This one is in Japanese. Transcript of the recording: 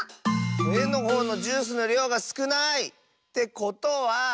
えのほうのジュースのりょうがすくない！ってことは。